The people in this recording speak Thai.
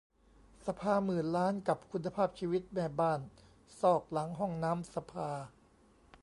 สภาหมื่นล้านกับคุณภาพชีวิตแม่บ้านซอกหลังห้องน้ำสภา !